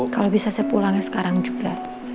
kalau bisa saya pulang sekarang juga